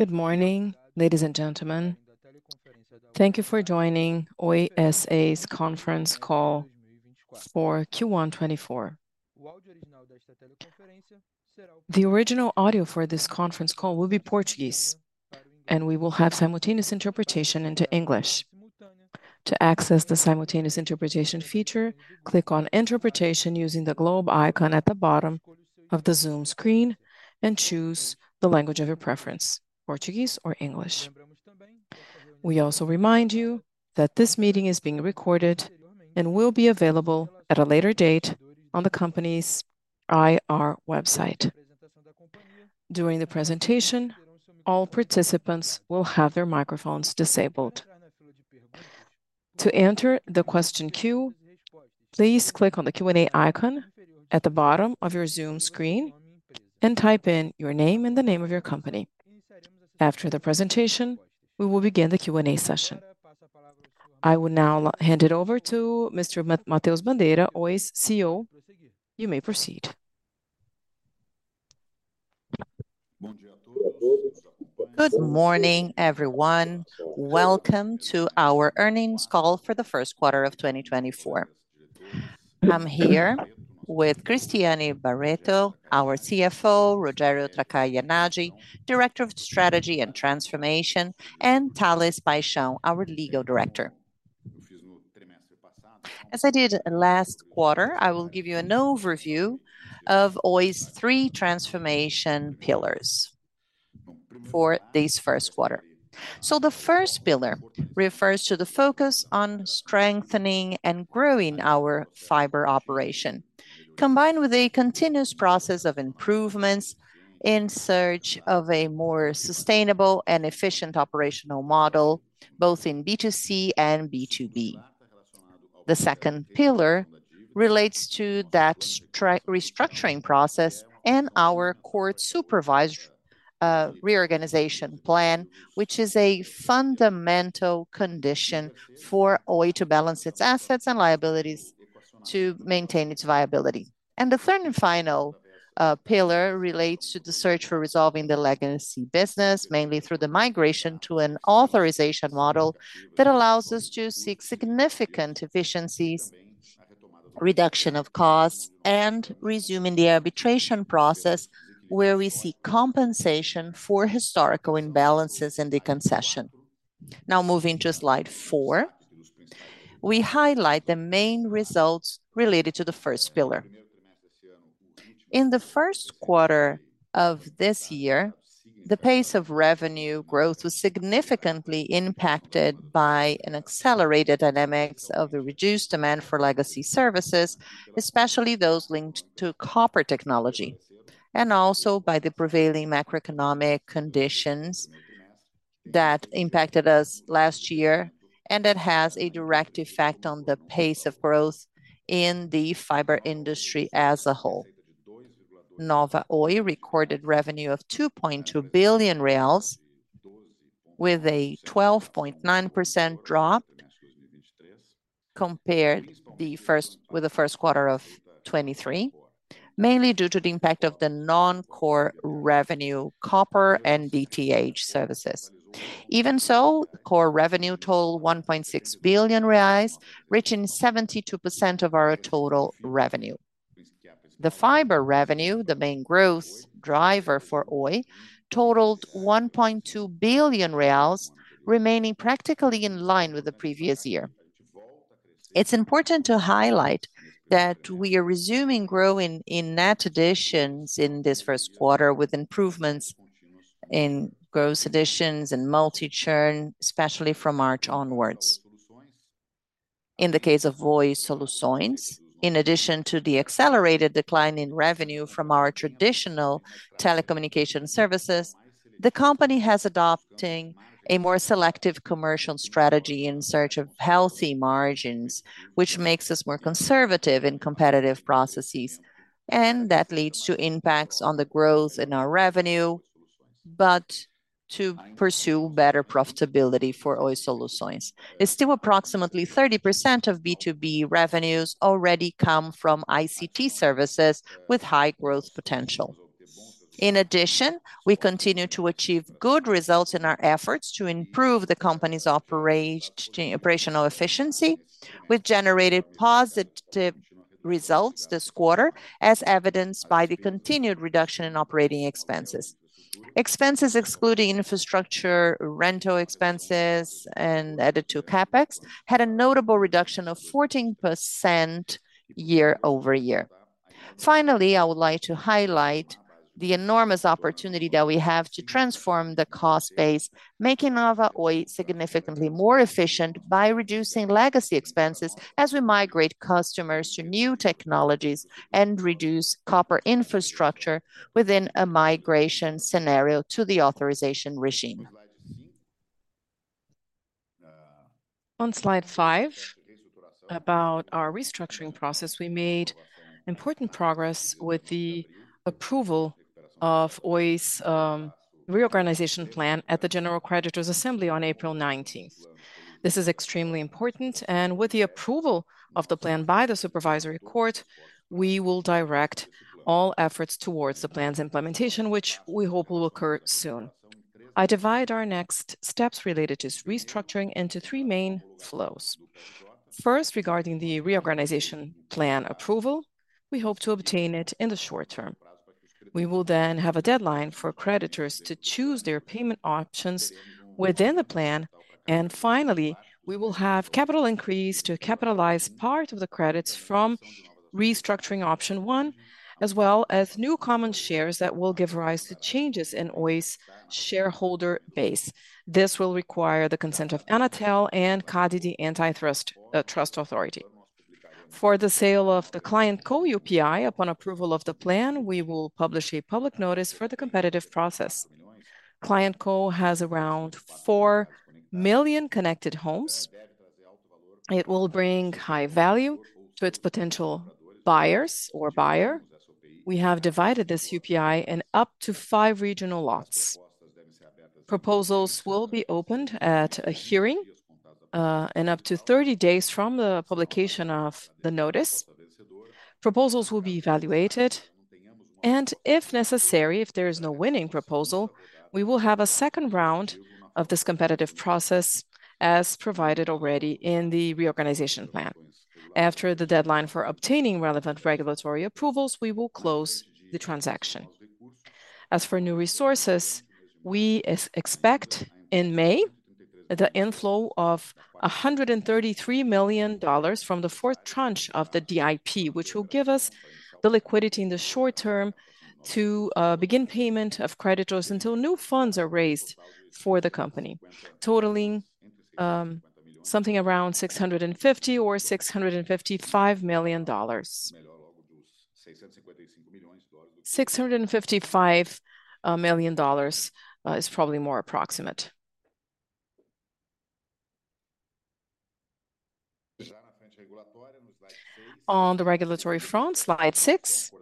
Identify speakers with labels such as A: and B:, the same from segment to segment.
A: Good morning, ladies and gentlemen. Thank you for joining Oi S.A.'s conference call for Q1 2024. The original audio for this conference call will be Portuguese, and we will have simultaneous interpretation into English. To access the simultaneous interpretation feature, click on "Interpretation" using the globe icon at the bottom of the Zoom screen and choose the language of your preference: Portuguese or English. We also remind you that this meeting is being recorded and will be available at a later date on the company's IR website. During the presentation, all participants will have their microphones disabled. To enter the question queue, please click on the Q&A icon at the bottom of your Zoom screen and type in your name and the name of your company. After the presentation, we will begin the Q&A session. I will now hand it over to Mr. Mateus Bandeira, Oi's CEO. You may proceed.
B: Good morning, everyone. Welcome to our earnings call for the first quarter of 2024. I'm here with Cristiane Barreto, our CFO, Rogério Takayanagi, Director of Strategy and Transformation, and Thales Paixão, our Legal Director. As I did last quarter, I will give you an overview of Oi's three transformation pillars for this first quarter. The first pillar refers to the focus on strengthening and growing our fiber operation, combined with a continuous process of improvements in search of a more sustainable and efficient operational model, both in B2C and B2B. The second pillar relates to that restructuring process and our court-supervised reorganization plan, which is a fundamental condition for Oi to balance its assets and liabilities to maintain its viability. The third and final pillar relates to the search for resolving the legacy business, mainly through the migration to an authorization model that allows us to seek significant efficiencies, reduction of costs, and resuming the arbitration process where we see compensation for historical imbalances in the concession. Now moving to Slide 4, we highlight the main results related to the first pillar. In the first quarter of this year, the pace of revenue growth was significantly impacted by an accelerated dynamics of the reduced demand for legacy services, especially those linked to copper technology, and also by the prevailing macroeconomic conditions that impacted us last year and that has a direct effect on the pace of growth in the fiber industry as a whole. Nova Oi recorded revenue of 2.2 billion reais, with a 12.9% drop compared with the first quarter of 2023, mainly due to the impact of the non-core revenue copper and DTH services. Even so, core revenue totaled 1.6 billion reais, reaching 72% of our total revenue. The fiber revenue, the main growth driver for Oi, totaled 1.2 billion reais, remaining practically in line with the previous year. It's important to highlight that we are resuming growing in net additions in this first quarter with improvements in gross additions and multi-churn, especially from March onwards. In the case of Oi Soluções, in addition to the accelerated decline in revenue from our traditional telecommunication services, the company is adopting a more selective commercial strategy in search of healthy margins, which makes us more conservative in competitive processes, and that leads to impacts on the growth in our revenue but to pursue better profitability for Oi Soluções. Still, approximately 30% of B2B revenues already come from ICT services with high growth potential. In addition, we continue to achieve good results in our efforts to improve the company's operational efficiency, with generated positive results this quarter, as evidenced by the continued reduction in operating expenses. Expenses excluding infrastructure, rental expenses, and insurance had a notable reduction of 14% year-over-year. Finally, I would like to highlight the enormous opportunity that we have to transform the cost base, making Nova Oi significantly more efficient by reducing legacy expenses as we migrate customers to new technologies and reduce copper infrastructure within a migration scenario to the authorization regime. On Slide 5 about our restructuring process, we made important progress with the approval of Oi's reorganization plan at the General Creditors' Assembly on April 19th. This is extremely important, and with the approval of the plan by the Supervisory Court, we will direct all efforts towards the plan's implementation, which we hope will occur soon. I divide our next steps related to restructuring into three main flows. First, regarding the reorganization plan approval, we hope to obtain it in the short term. We will then have a deadline for creditors to choose their payment options within the plan, and finally, we will have capital increase to capitalize part of the credits from restructuring option one, as well as new common shares that will give Reais to changes in Oi's shareholder base. This will require the consent of Anatel and CADE Antitrust Authority. For the sale of the ClientCo UPI, upon approval of the plan, we will publish a public notice for the competitive process. ClientCo has around 4 million connected homes. It will bring high value to its potential buyers. We have divided this UPI in up to five regional lots. Proposals will be opened at a hearing in up to 30 days from the publication of the notice. Proposals will be evaluated, and if necessary, if there is no winning proposal, we will have a second round of this competitive process, as provided already in the reorganization plan. After the deadline for obtaining relevant regulatory approvals, we will close the transaction. As for new resources, we expect in May the inflow of $133 million from the fourth tranche of the DIP, which will give us the liquidity in the short term to begin payment of creditors until new funds are raised for the company, totaling something around $650 million or $655 million. $655 million is probably more approximate. On the regulatory front, Slide 6,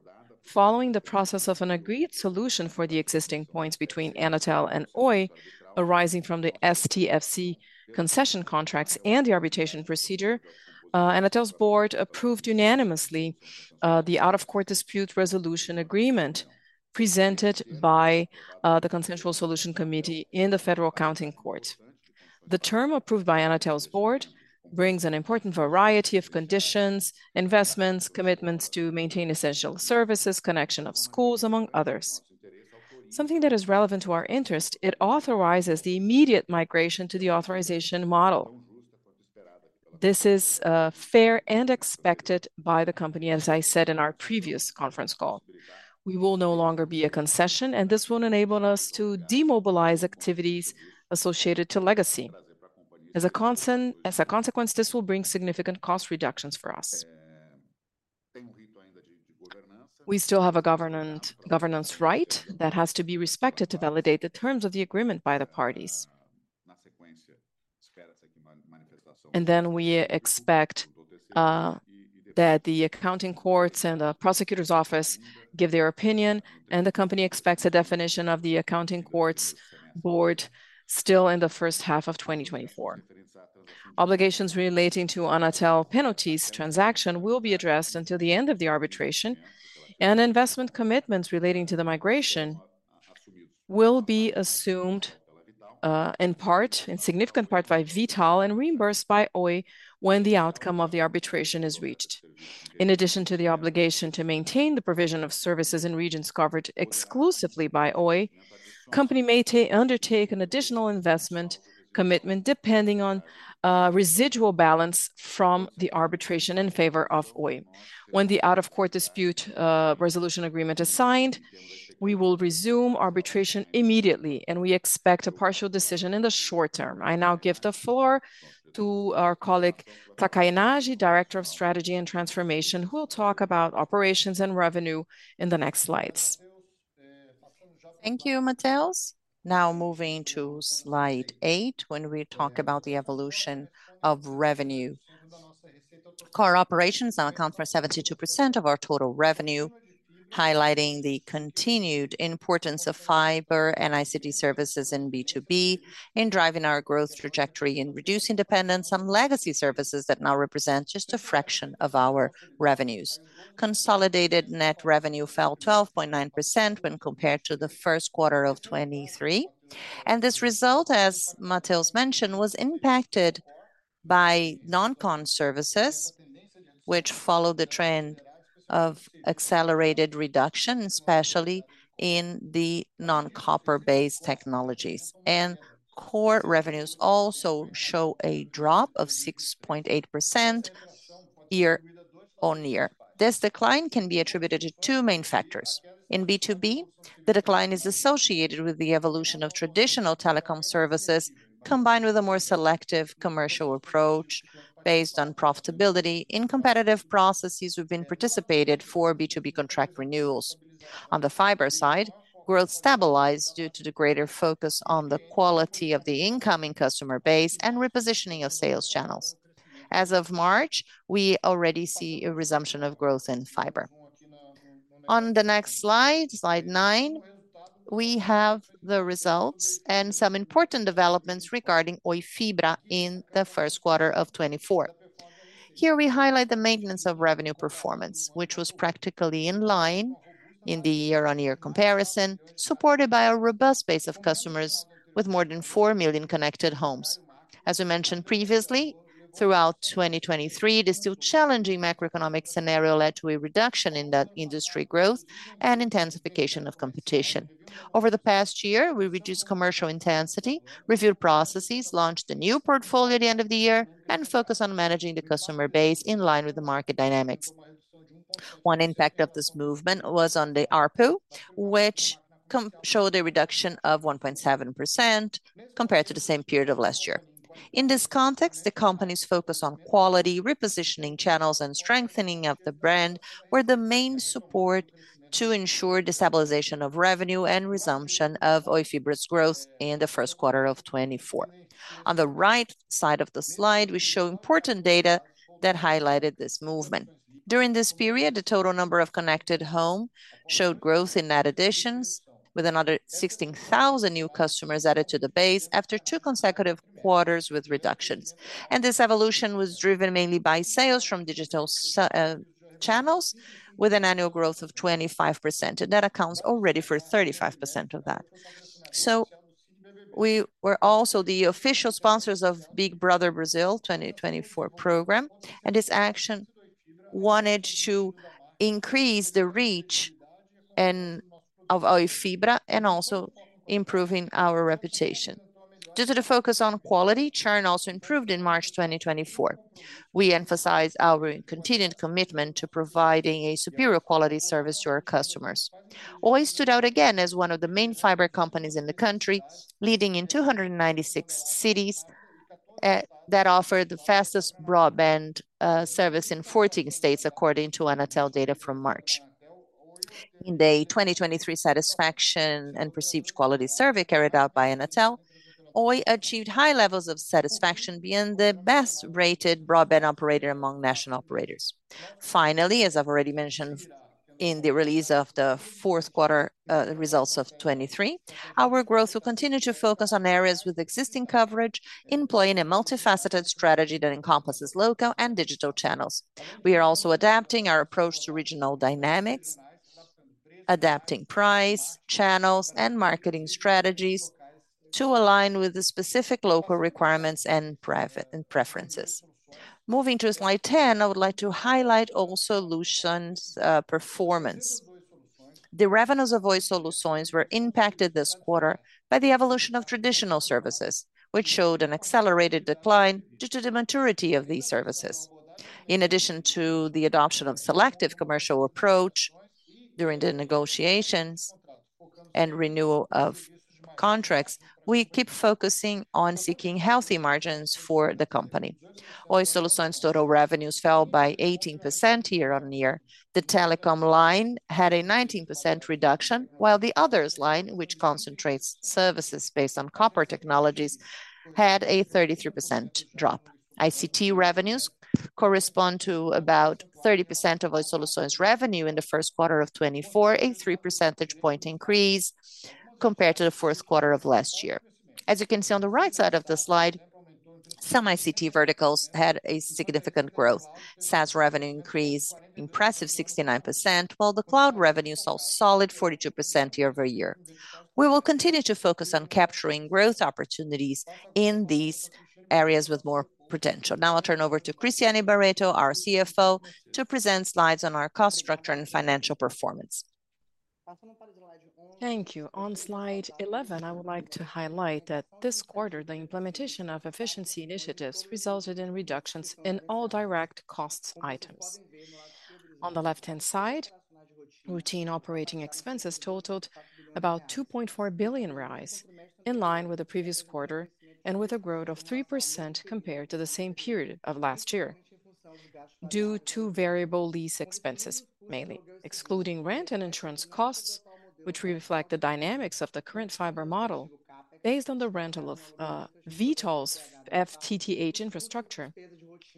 B: following the process of an agreed solution for the existing points between Anatel and Oi, arising from the STFC concession contracts and the arbitration procedure, Anatel's board approved unanimously the out-of-court dispute resolution agreement presented by the Consensual Solution Committee in the Federal Accounting Court. The term approved by Anatel's board brings an important variety of conditions, investments, commitments to maintain essential services, connection of schools, among others. Something that is relevant to our interest, it authorizes the immediate migration to the authorization model. This is fair and expected by the company, as I said in our previous conference call. We will no longer be a concession, and this will enable us to demobilize activities associated to legacy. As a consequence, this will bring significant cost reductions for us. We still have a governance right that has to be respected to validate the terms of the agreement by the parties. Then we expect that the accounting courts and the prosecutor's office give their opinion, and the company expects a definition of the accounting courts' board still in the first half of 2024. Obligations relating to Anatel penalties transaction will be addressed until the end of the arbitration, and investment commitments relating to the migration will be assumed in part, in significant part, by V.tal and reimbursed by Oi when the outcome of the arbitration is reached. In addition to the obligation to maintain the provision of services in regions covered exclusively by Oi, the company may undertake an additional investment commitment depending on residual balance from the arbitration in favor of Oi. When the out-of-court dispute resolution agreement is signed, we will resume arbitration immediately, and we expect a partial decision in the short term. I now give the floor to our colleague Rogério Takayanagi, Director of Strategy and Transformation, who will talk about operations and revenue in the next Slides. Thank you, Mateus. Now moving to Slide 8 when we talk about the evolution of revenue. Core operations now account for 72% of our total revenue, highlighting the continued importance of fiber and ICT services in B2B in driving our growth trajectory and reducing dependence on legacy services that now represent just a fraction of our revenues. Consolidated net revenue fell 12.9% when compared to the first quarter of 2023, and this result, as Mateus mentioned, was impacted by non-core services, which followed the trend of accelerated reduction, especially in the non-copper-based technologies. Core revenues also show a drop of 6.8% year-on-year. This decline can be attributed to two main factors. In B2B, the decline is associated with the evolution of traditional telecom services combined with a more selective commercial approach based on profitability in competitive processes we participated in B2B contract renewals. On the fiber side, growth stabilized due to the greater focus on the quality of the incoming customer base and repositioning of sales channels. As of March, we already see a resumption of growth in fiber. On the next Slide, Slide 9, we have the results and some important developments regarding Oi Fibra in the first quarter of 2024. Here we highlight the maintenance of revenue performance, which was practically in line in the year-on-year comparison, supported by a robust base of customers with more than 4 million connected homes. As we mentioned previously, throughout 2023, the still challenging macroeconomic scenario led to a reduction in that industry growth and intensification of competition. Over the past year, we reduced commercial intensity, reviewed processes, launched a new portfolio at the end of the year, and focused on managing the customer base in line with the market dynamics. One impact of this movement was on the ARPU, which showed a reduction of 1.7% compared to the same period of last year. In this context, the company's focus on quality, repositioning channels, and strengthening of the brand were the main support to ensure the stabilization of revenue and resumption of Oi Fibra's growth in the first quarter of 2024. On the right side of the Slide, we show important data that highlighted this movement. During this period, the total number of connected homes showed growth in net additions, with another 16,000 new customers added to the base after two consecutive quarters with reductions. This evolution was driven mainly by sales from digital channels, with an annual growth of 25%, and that accounts already for 35% of that. We were also the official sponsors of Big Brother Brazil 2024 program, and this action wanted to increase the reach of Oi Fibra and also improving our reputation. Due to the focus on quality, churn also improved in March 2024. We emphasized our continued commitment to providing a superior quality service to our customers. Oi stood out again as one of the main fiber companies in the country, leading in 296 cities that offered the fastest broadband service in 14 states, according to Anatel data from March. In the 2023 satisfaction and perceived quality survey carried out by Anatel, Oi achieved high levels of satisfaction being the best-rated broadband operator among national operators. Finally, as I've already mentioned in the release of the fourth quarter results of 2023, our growth will continue to focus on areas with existing coverage, employing a multifaceted strategy that encompasses local and digital channels. We are also adapting our approach to regional dynamics, adapting price, channels, and marketing strategies to align with the specific local requirements and preferences. Moving to Slide 10, I would like to highlight Oi Soluções' performance. The revenues of Oi Soluções were impacted this quarter by the evolution of traditional services, which showed an accelerated decline due to the maturity of these services. In addition to the adoption of a selective commercial approach during the negotiations and renewal of contracts, we keep focusing on seeking healthy margins for the company. Oi Soluções' total revenues fell by 18% year-on-year. The telecom line had a 19% reduction, while the others' line, which concentrates services based on copper technologies, had a 33% drop. ICT revenues correspond to about 30% of Oi Soluções' revenue in the first quarter of 2024, a 3 percentage point increase compared to the fourth quarter of last year. As you can see on the right side of the Slide, some ICT verticals had a significant growth. SaaS revenue increased impressive 69%, while the cloud revenue saw solid 42% year-over-year. We will continue to focus on capturing growth opportunities in these areas with more potential. Now I'll turn over to Cristiane Barreto, our CFO, to present Slides on our cost structure and financial performance.
C: Thank you. On Slide 11, I would like to highlight that this quarter, the implementation of efficiency initiatives resulted in reductions in all direct costs items. On the left-hand side, routine operating expenses totaled about 2.4 billion, in line with the previous quarter and with a growth of 3% compared to the same period of last year, due to variable lease expenses, mainly. Excluding rent and insurance costs, which reflect the dynamics of the current fiber model, based on the rental of V.tal's FTTH infrastructure,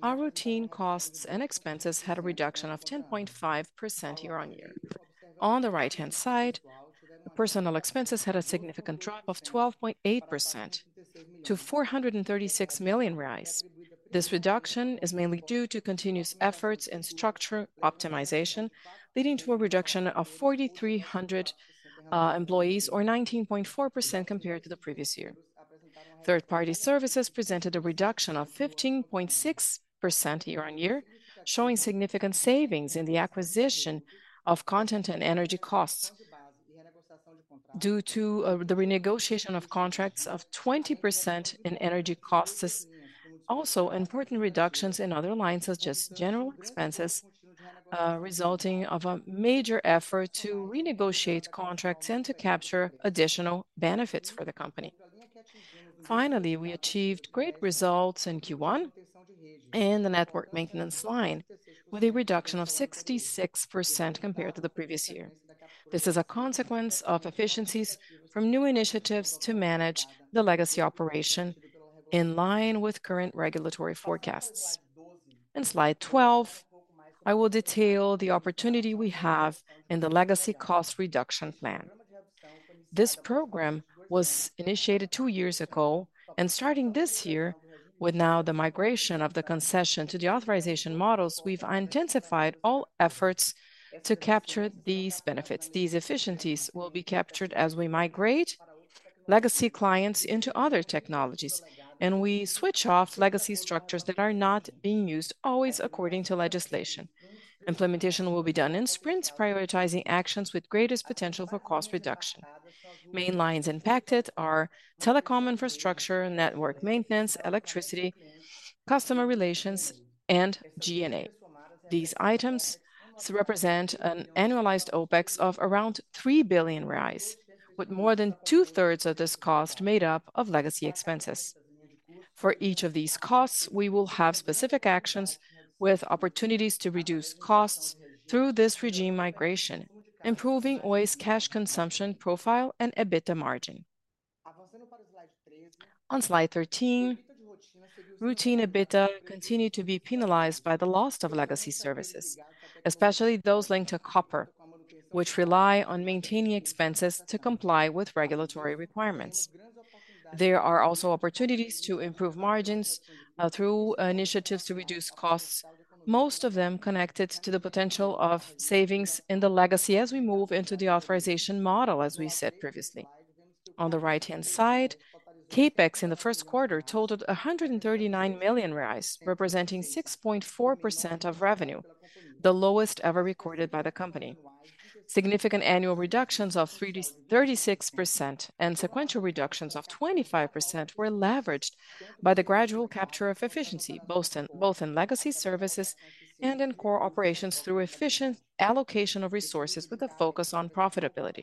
C: our routine costs and expenses had a reduction of 10.5% year-over-year. On the right-hand side, personal expenses had a significant drop of 12.8% to 436 million. This reduction is mainly due to continuous efforts in structure optimization, leading to a reduction of 4,300 employees, or 19.4% compared to the previous year. Third-party services presented a reduction of 15.6% year-on-year, showing significant savings in the acquisition of content and energy costs, due to the renegotiation of contracts of 20% in energy costs. Also, important reductions in other lines, such as general expenses, resulting in a major effort to renegotiate contracts and to capture additional benefits for the company. Finally, we achieved great results in Q1 in the network maintenance line, with a reduction of 66% compared to the previous year. This is a consequence of efficiencies from new initiatives to manage the legacy operation in line with current regulatory forecasts. In Slide 12, I will detail the opportunity we have in the legacy cost reduction plan. This program was initiated two years ago, and starting this year, with now the migration of the concession to the authorization models, we've intensified all efforts to capture these benefits. These efficiencies will be captured as we migrate legacy clients into other technologies, and we switch off legacy structures that are not being used always according to legislation. Implementation will be done in sprints, prioritizing actions with greatest potential for cost reduction. Main lines impacted are telecom infrastructure, network maintenance, electricity, customer relations, and G&A. These items represent an annualized OpEx of around $3 billion Reais, with more than two-thirds of this cost made up of legacy expenses. For each of these costs, we will have specific actions with opportunities to reduce costs through this regime migration, improving Oi's cash consumption profile and EBITDA margin. On Slide 13, routine EBITDA continued to be penalized by the loss of legacy services, especially those linked to copper, which rely on maintaining expenses to comply with regulatory requirements. There are also opportunities to improve margins through initiatives to reduce costs, most of them connected to the potential of savings in the legacy as we move into the authorization model, as we said previously. On the right-hand side, CAPEX in the first quarter totaled 139 million reais, representing 6.4% of revenue, the lowest ever recorded by the company. Significant annual reductions of 36% and sequential reductions of 25% were leveraged by the gradual capture of efficiency, both in legacy services and in core operations through efficient allocation of resources with a focus on profitability.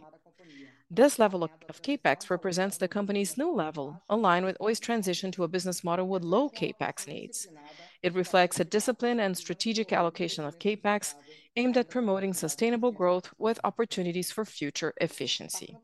C: This level of CAPEX represents the company's new level, aligned with Oi's transition to a business model with low CAPEX needs. It reflects a discipline and strategic allocation of CAPEX aimed at promoting sustainable growth with opportunities for future efficiency.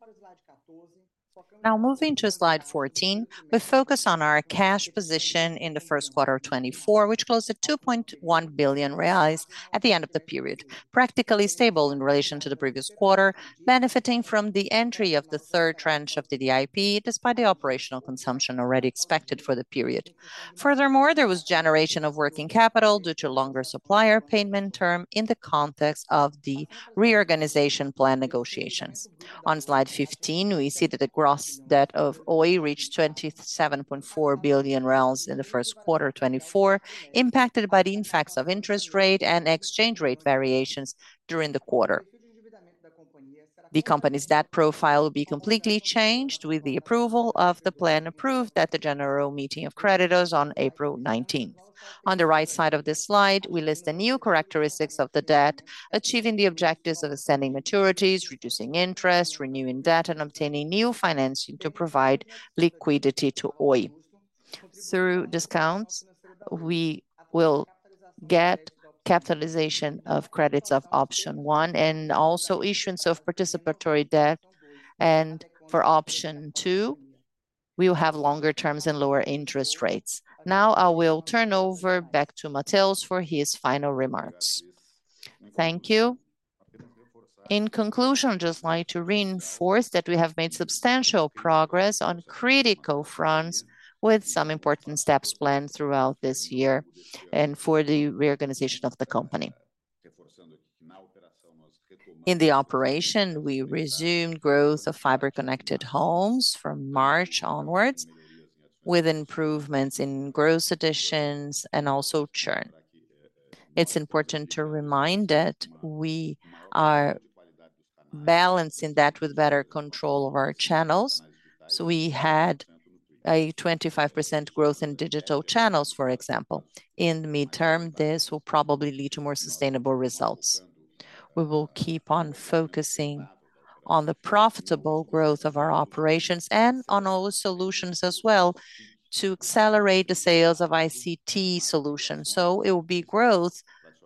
C: Now moving to Slide 14, we focus on our cash position in the first quarter of 2024, which closed at $2.1 billion Reais at the end of the period, practically stable in relation to the previous quarter, benefiting from the entry of the third tranche of the DIP despite the operational consumption already expected for the period. Furthermore, there was generation of working capital due to a longer supplier payment term in the context of the reorganization plan negotiations. On Slide 15, we see that the gross debt of Oi reached $27.4 billion in the first quarter of 2024, impacted by the impacts of interest rate and exchange rate variations during the quarter. The company's debt profile will be completely changed with the approval of the plan approved at the General Meeting of Creditors on April 19th. On the right side of this Slide, we list the new characteristics of the debt, achieving the objectives of ascending maturities, reducing interest, renewing debt, and obtaining new financing to provide liquidity to Oi. Through discounts, we will get capitalization of credits of option one and also issuance of participatory debt. And for option two, we will have longer terms and lower interest rates. Now I will turn over back to Matthias for his final remarks. Thank you. In conclusion, I'd just like to reinforce that we have made substantial progress on critical fronts with some important steps planned throughout this year and for the reorganization of the company. In the operation, we resumed growth of fiber-connected homes from March onwards, with improvements in gross additions and also churn. It's important to remind that we are balancing that with better control of our channels. So we had a 25% growth in digital channels, for example. In the midterm, this will probably lead to more sustainable results. We will keep on focusing on the profitable growth of our operations and on Oi Soluções as well to accelerate the sales of ICT solutions. So it will be growth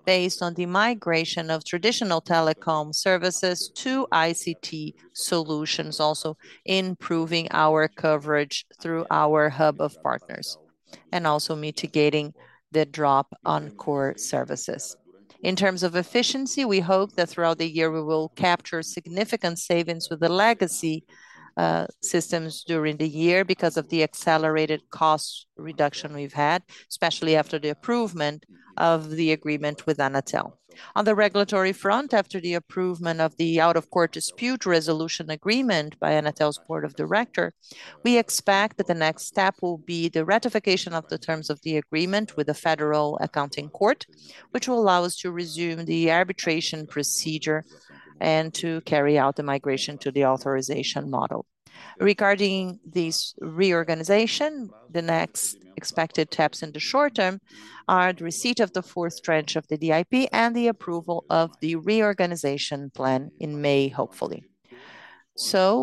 C: based on the migration of traditional telecom services to ICT solutions, also improving our coverage through our hub of partners and also mitigating the drop on core services. In terms of efficiency, we hope that throughout the year, we will capture significant savings with the legacy systems during the year because of the accelerated cost reduction we've had, especially after the approval of the agreement with Anatel. On the regulatory front, after the approval of the out-of-court dispute resolution agreement by Anatel's board of directors, we expect that the next step will be the ratification of the terms of the agreement with the Federal Accounting Court, which will allow us to resume the arbitration procedure and to carry out the migration to the authorization model. Regarding this reorganization, the next expected steps in the short term are the receipt of the fourth tranche of the DIP and the approval of the reorganization plan in May, hopefully.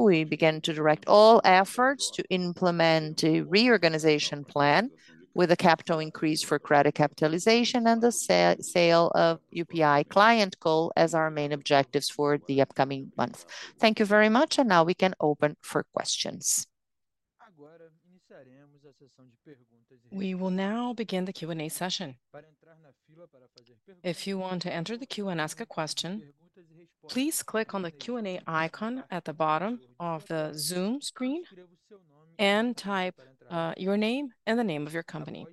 C: We begin to direct all efforts to implement a reorganization plan with a capital increase for credit capitalization and the sale of UPI ClientCo as our main objectives for the upcoming month. Thank you very much, and now we can open for questions. We will now begin the Q&A session. If you want to enter the queue and ask a question, please click on the Q&A icon at the bottom of the Zoom screen and type your name and the name of your company.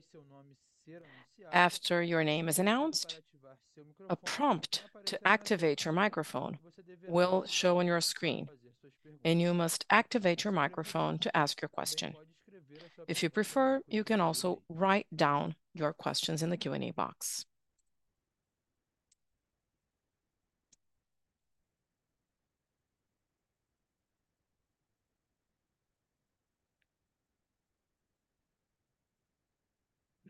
C: After your name is announced, a prompt to activate your microphone will show on your screen, and you must activate your microphone to ask your question. If you prefer, you can also write down your questions in the Q&A box.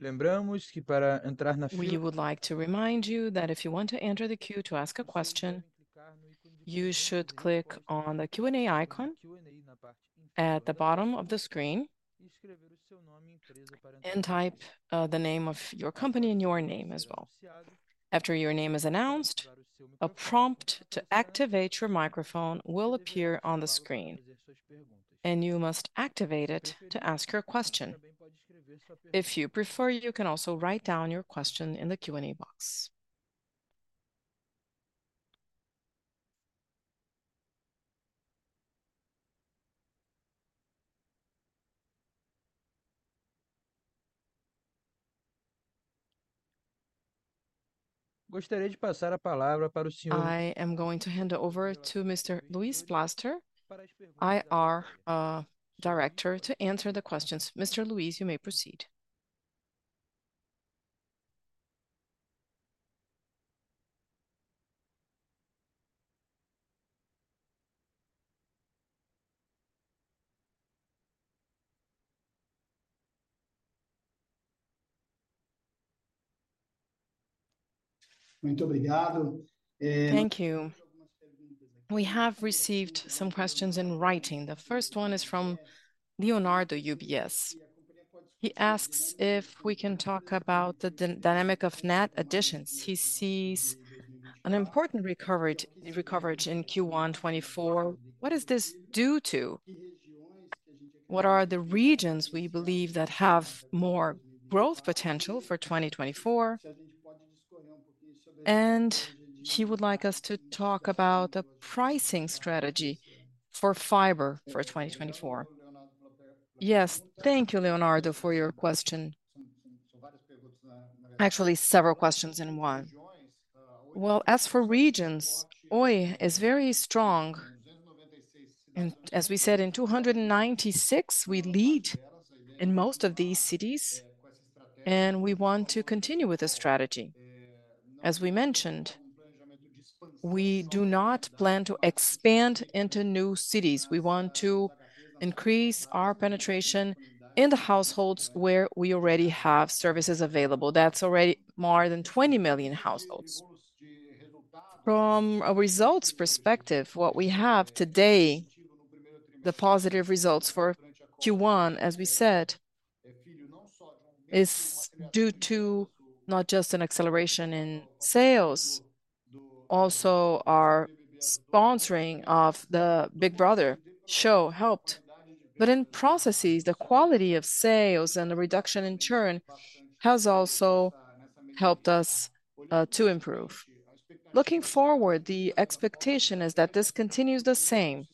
C: We would like to remind you that if you want to enter the queue to ask a question, you should click on the Q&A icon at the bottom of the screen and type the name of your company and your name as well. After your name is announced, a prompt to activate your microphone will appear on the screen, and you must activate it to ask your question. If you prefer, you can also write down your question in the Q&A box. I am going to hand over to Mr. Luis Plaster, IR Director, to answer the questions. Mr. Luis, you may proceed.
D: Thank you. We have received some questions in writing. The first one is from Leonardo UBS. He asks if we can talk about the dynamic of net additions. He sees an important recovery in Q1 2024. What is this due to? What are the regions we believe that have more growth potential for 2024? And he would like us to talk about the pricing strategy for fiber for 2024. Yes, thank you, Leonardo, for your question. Actually, several questions in one. Well, as for regions, Oi is very strong. As we said, in 296, we lead in most of these cities, and we want to continue with this strategy. As we mentioned, we do not plan to expand into new cities. We want to increase our penetration in the households where we already have services available. That's already more than 20 million households. From a results perspective, what we have today, the positive results for Q1, as we said, is due to not just an acceleration in sales, also our sponsoring of the Big Brother Show helped. But in processes, the quality of sales and the reduction in turn has also helped us to improve. Looking forward, the expectation is that this continues the same,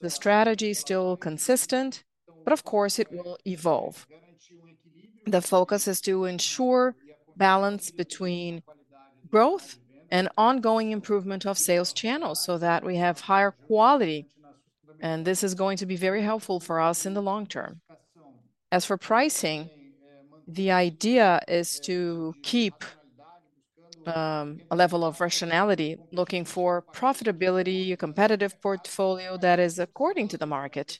D: the strategy still consistent, but of course, it will evolve. The focus is to ensure balance between growth and ongoing improvement of sales channels so that we have higher quality, and this is going to be very helpful for us in the long term. As for pricing, the idea is to keep a level of rationality, looking for profitability, a competitive portfolio that is according to the market,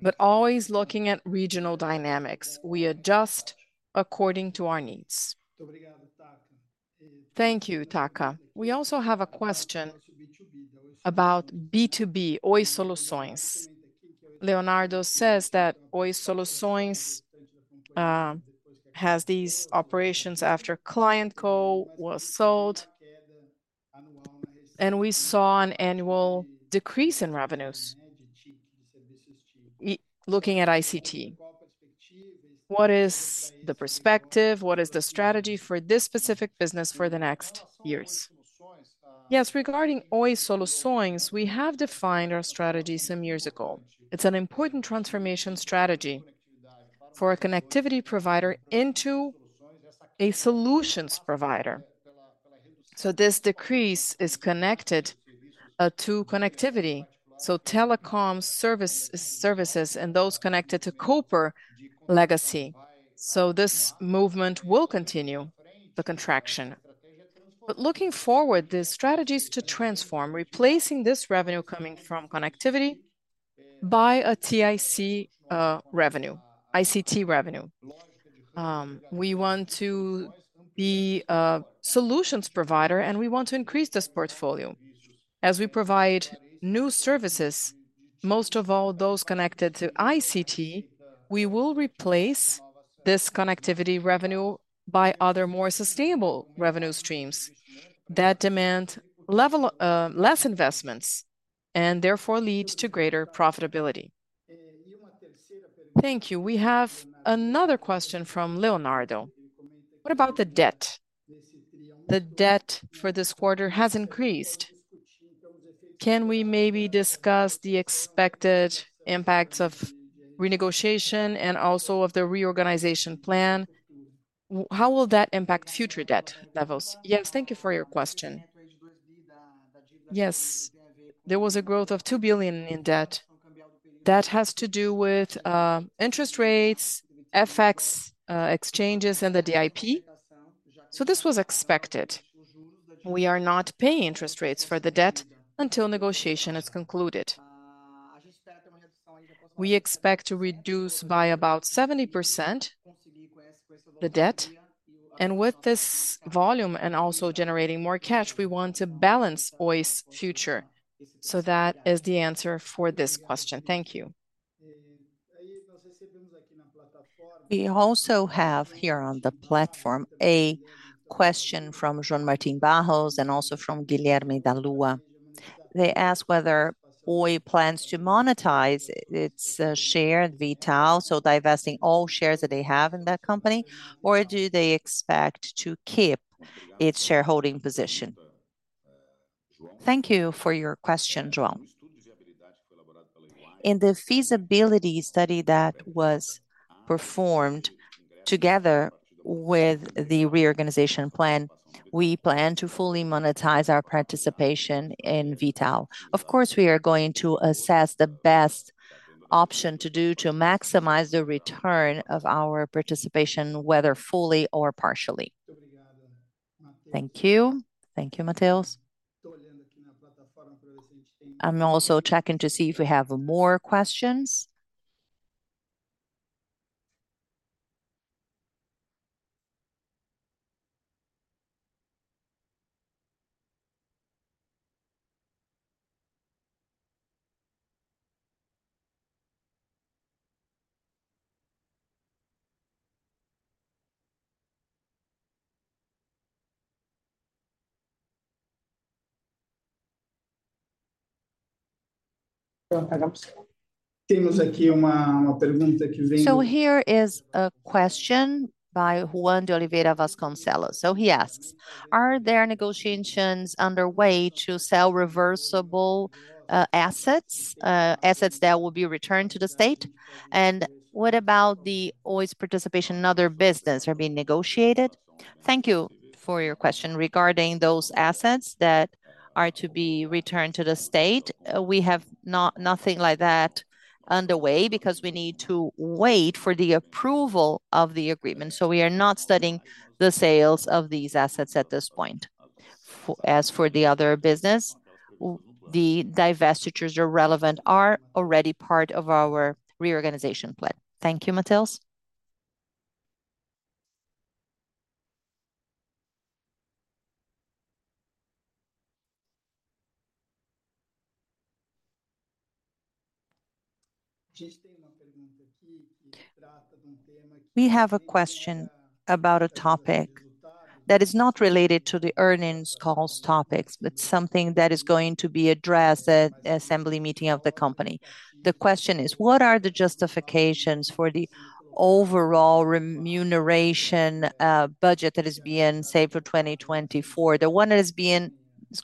D: but always looking at regional dynamics. We adjust according to our needs. Thank you, Taka.
C: We also have a question about B2B, Oi Soluções. Leonardo says that Oi Soluções has these operations after ClientCo was sold, and we saw an annual decrease in revenues. Looking at ICT, what is the perspective? What is the strategy for this specific business for the next years? Yes, regarding Oi Soluções, we have defined our strategy some years ago. It's an important transformation strategy for a connectivity provider into a solutions provider. So this decrease is connected to connectivity, so telecom services and those connected to copper legacy. So this movement will continue, the contraction. But looking forward, the strategy is to transform, replacing this revenue coming from connectivity by an ICT revenue. We want to be a solutions provider, and we want to increase this portfolio. As we provide new services, most of all those connected to ICT, we will replace this connectivity revenue by other, more sustainable revenue streams that demand less investments and therefore lead to greater profitability. Thank you. We have another question from Leonardo. What about the debt? The debt for this quarter has increased. Can we maybe discuss the expected impacts of renegotiation and also of the reorganization plan? How will that impact future debt levels? Yes, thank you for your question. Yes, there was a growth of $2 billion in debt. That has to do with interest rates, FX exchanges, and the DIP. So this was expected. We are not paying interest rates for the debt until negotiation is concluded. We expect to reduce by about 70% the debt. And with this volume and also generating more cash, we want to balance Oi's future. That is the answer for this question. Thank you. We also have here on the platform a question from João Martin Barros and also from Guilherme da Lua. They ask whether Oi plans to monetize its share at V.tal, so divesting all shares that they have in that company, or do they expect to keep its shareholding position? Thank you for your question, João. In the feasibility study that was performed together with the reorganization plan, we plan to fully monetize our participation in V.tal. Of course, we are going to assess the best option to do to maximize the return of our participation, whether fully or partially. Thank you. Thank you, Matthias. I'm also checking to see if we have more questions. Here is a question by Juan de Oliveira Vasconcelos. So he asks, are there negotiations underway to sell reversible assets, assets that will be returned to the state? And what about the Oi's participation in other businesses being negotiated? Thank you for your question. Regarding those assets that are to be returned to the state, we have nothing like that underway because we need to wait for the approval of the agreement. So we are not studying the sales of these assets at this point. As for the other business, the divestitures are relevant, are already part of our reorganization plan. Thank you, Matthias. We have a question about a topic that is not related to the earnings calls topics, but something that is going to be addressed at the assembly meeting of the company. The question is, what are the justifications for the overall remuneration budget that is being saved for 2024? The one that is being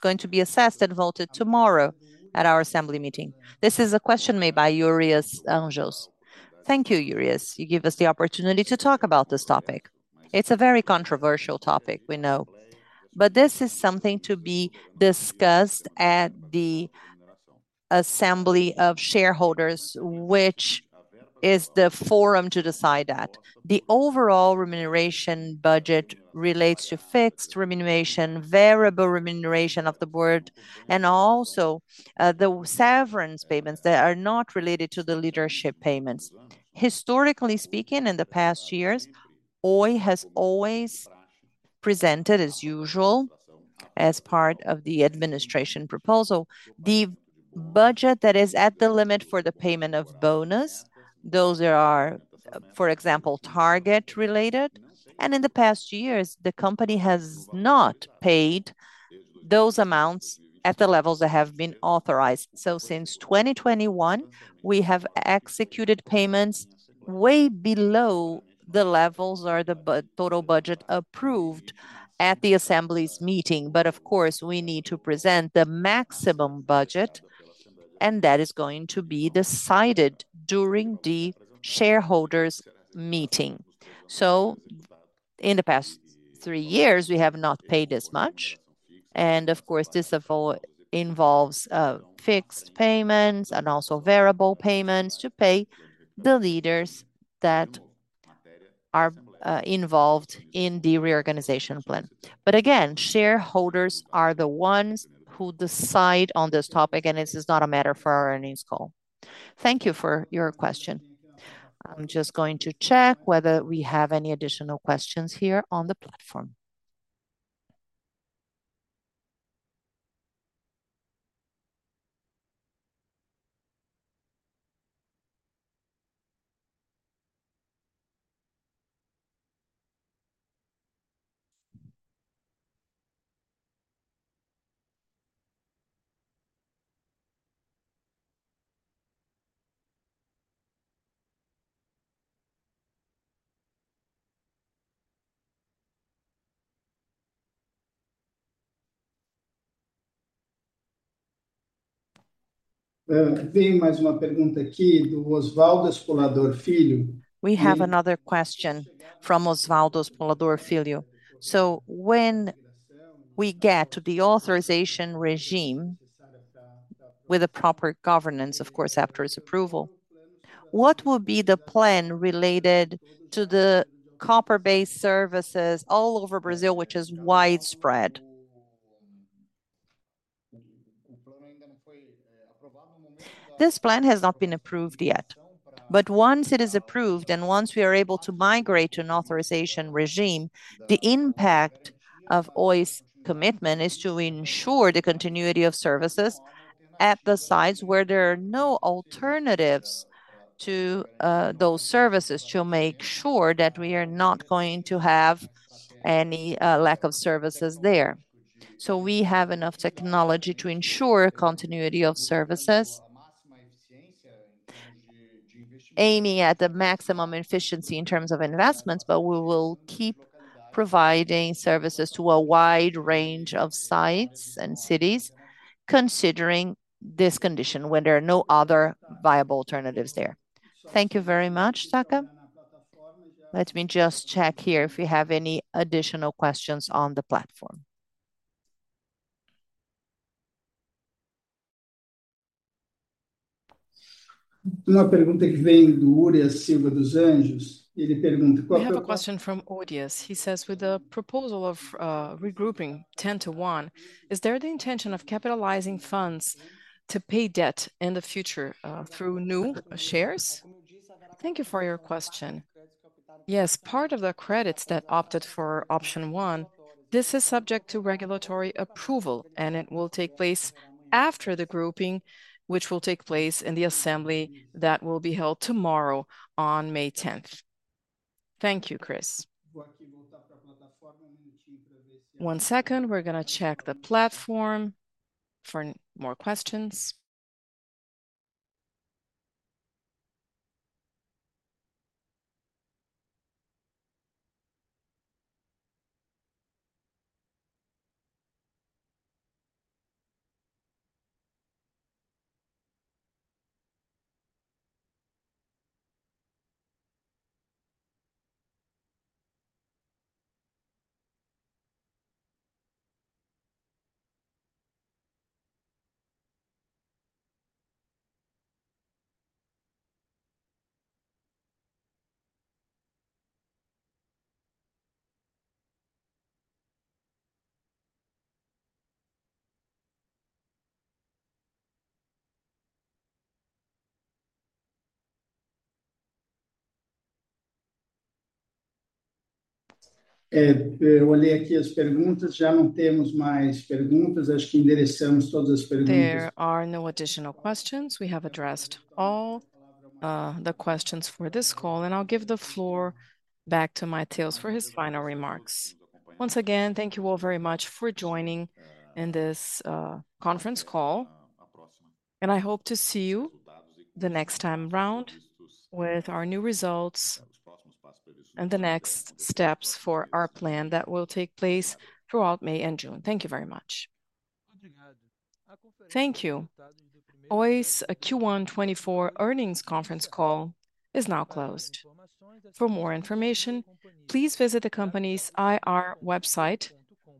C: going to be assessed and voted tomorrow at our assembly meeting. This is a question made by Yuri dos Anjos. Thank you, Yuri. You give us the opportunity to talk about this topic. It's a very controversial topic, we know. But this is something to be discussed at the assembly of shareholders, which is the forum to decide that. The overall remuneration budget relates to fixed remuneration, variable remuneration of the board, and also the severance payments that are not related to the leadership payments. Historically speaking, in the past years, Oi has always presented, as usual, as part of the administration proposal, the budget that is at the limit for the payment of bonus. Those are, for example, target-related. In the past years, the company has not paid those amounts at the levels that have been authorized. Since 2021, we have executed payments way below the levels or the total budget approved at the assembly's meeting. But of course, we need to present the maximum budget, and that is going to be decided during the shareholders' meeting. In the past three years, we have not paid as much. Of course, this involves fixed payments and also variable payments to pay the leaders that are involved in the reorganization plan. But again, shareholders are the ones who decide on this topic, and this is not a matter for our earnings call. Thank you for your question. I'm just going to check whether we have any additional questions here on the platform. We have another question from Osvaldo Espolador Filho. So when we get to the authorization regime with the proper governance, of course, after its approval, what will be the plan related to the copper-based services all over Brazil, which is widespread? This plan has not been approved yet. But once it is approved and once we are able to migrate to an authorization regime, the impact of Oi's commitment is to ensure the continuity of services at the sites where there are no alternatives to those services, to make sure that we are not going to have any lack of services there. So we have enough technology to ensure continuity of services, aiming at the maximum efficiency in terms of investments, but we will keep providing services to a wide range of sites and cities, considering this condition when there are no other viable alternatives there. Thank you very much, Taka. Let me just check here if we have any additional questions on the platform. I have a question from Ozias. He says, with the proposal of regrouping 10 to 1, is there the intention of capitalizing funds to pay debt in the future through new shares? Thank you for your question. Yes, part of the credits that opted for option 1, this is subject to regulatory approval, and it will take place after the grouping, which will take place in the assembly that will be held tomorrow on May 10th. Thank you, Chris. One second, we're going to check the platform for more questions. Eu olhei aqui as perguntas. Já não temos mais perguntas. Acho que endereçamos todas as perguntas. There are no additional questions. We have addressed all the questions for this call, and I'll give the floor back to Matthias for his final remarks.
A: Once again, thank you all very much for joining in this conference call. I hope to see you the next time around with our new results and the next steps for our plan that will take place throughout May and June. Thank you very much. Thank you. Oi's Q124 earnings conference call is now closed. For more information, please visit the company's IR website,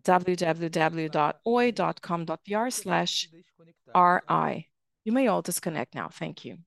A: www.oi.com.br/ri. You may all disconnect now. Thank you.